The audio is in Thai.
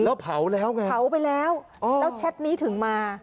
แล้วเผาแล้วไงเผาไปแล้วแล้วแชทนี้ถึงมา